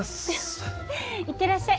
行ってらっしゃい。